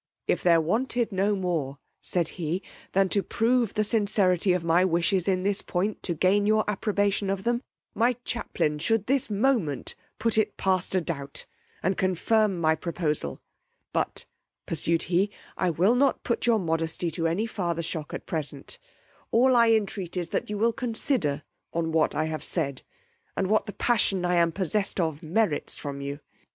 If there wanted no more, said he, than to prove the sincerity of my wishes in this point to gain your approbation of them, my chaplain should this moment put it past a doubt, and confirm my proposal: but, pursued he, I will not put your modesty to any farther shock at present; all I intreat is, that you will consider on what I have said, and what the passion I am possessed of merits from you.